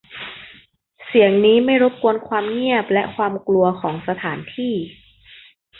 เสียงนี้ไม่รบกวนความเงียบและความกลัวของสถานที่